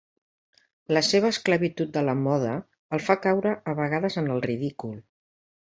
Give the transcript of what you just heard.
La seva esclavitud de la moda el fa caure a vegades en el ridícul.